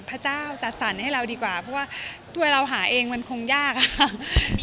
พระเจ้าจัดสรรให้เราดีกว่าเพราะว่าตัวเราหาเองมันคงยากอะค่ะ